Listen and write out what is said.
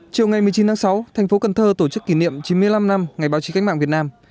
chiều ngày một mươi chín tháng sáu thành phố cần thơ tổ chức kỷ niệm chín mươi năm năm ngày báo chí cách mạng việt nam